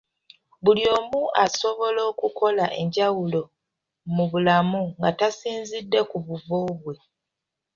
Buli omu asobola okukola enjawulo mu bulamu nga tasinzidde ku buvo bwe.